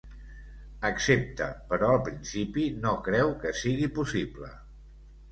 Accepta, però al principi no creu que sigui possible.